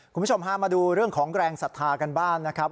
คุณผู้ชมพามาดูเรื่องของแรงศรัทธากันบ้างนะครับ